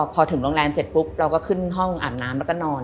พอถึงโรงแรมเสร็จปุ๊บเราก็ขึ้นห้องอาบน้ำแล้วก็นอน